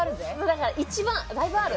だから一番だいぶある？